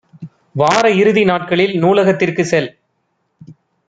வார இறுதி நாட்களில் நூலகத்திற்கு செல்.